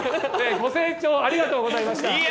ご清聴ありがとうございました。